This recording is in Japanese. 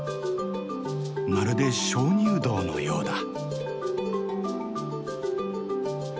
まるで鍾乳洞のようだ。